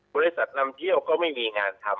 บริษัทนำเที่ยวก็ไม่มีงานทำ